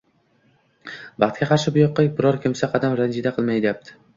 Baxtga qarshi, buyoqqa biror kimsa qadam ranjida qilmayapti.